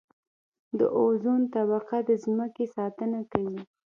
د اوزون طبقه د ځمکې ساتنه کوي